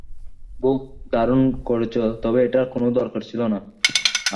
বোহ, দারুণ করেছ, তবে এটার কোনো দরকার ছিল না।